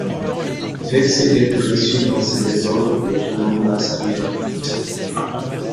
Vexé d'être reçu dans ce désordre, le jeune homme la salua vite.